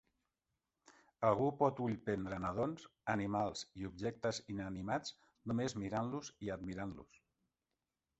Algú pot "ullprendre" nadons, animals i objectes inanimats només mirant-los i admirant-los.